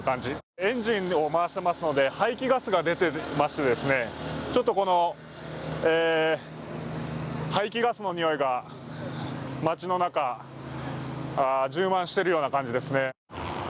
エンジンも回していますので排気ガスが出ていましてちょっと排気ガスの臭いが街の中、充満しているような感じですね。